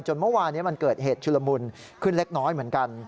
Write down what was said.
เมื่อวานนี้มันเกิดเหตุชุลมุนขึ้นเล็กน้อยเหมือนกัน